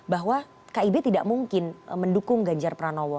bahwa kib tidak mungkin mendukung ganjar peran lawa